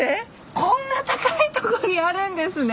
こんな高いとこにあるんですね。